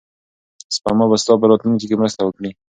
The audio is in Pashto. سپما به ستا په راتلونکي کې مرسته وکړي.